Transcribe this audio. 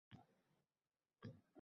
Men oʻlsam ham qishloqqa bormayman